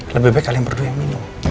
lebih baik kalian berdua yang minum